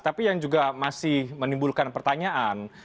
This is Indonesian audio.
tapi yang juga masih menimbulkan pertanyaan